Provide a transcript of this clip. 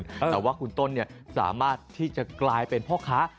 แต่ว่าคุณต้นสามารถที่จะกลายเป็นพ่อค้า